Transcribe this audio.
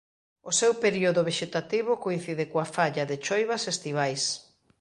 O seu período vexetativo coincide coa falla de choivas estivais.